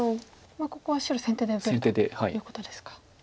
ここは白先手で打てるということですか。